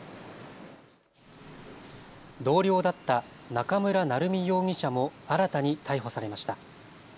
同僚だった中村成美容疑者も新たに逮捕されました。